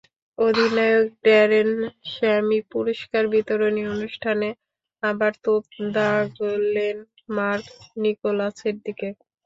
অধিনায়ক Darren Sammy পুরস্কার বিতরণী অনুষ্ঠানেই আবার তোপ দাগলেন মার্ক নিকোলাসের দিকে।